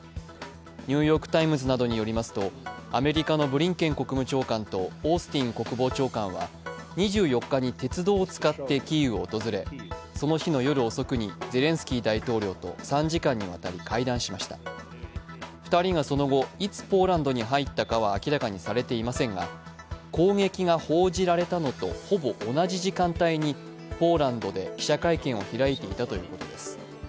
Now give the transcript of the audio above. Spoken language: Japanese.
「ニューヨーク・タイムズ」などによりますとアメリカのブリンケン国務長官とオースティン国防長官は２４日に鉄道を使ってキーウを訪れその日の夜遅くにゼレンスキー大統領と３時間にわたり会談しました２人がその後、いつポーランドに入ったかは明らかにされていませんが攻撃が報じられたのとほぼ同じ時間帯にポーランドで記者会見を開いていたということです。